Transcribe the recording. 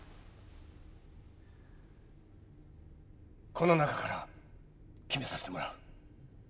この中から決めさせてもらう。